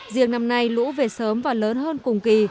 riêng năm nay lũ về sớm và lớn hơn cùng kỳ